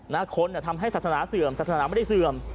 คนทำให้ศาสนาเสื่อมศาสนาไม่ได้เสื่อม